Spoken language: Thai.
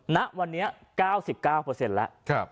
ณวันนี้๙๙แล้ว